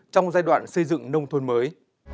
trong giai đoạn xây dựng nông thôn mới